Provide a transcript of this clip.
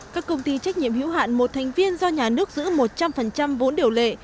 các công ty trách nhiệm hữu hạn một thành viên do nhà nước giữ một trăm linh vốn điều lệ